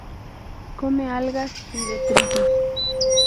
Come algas y detritus.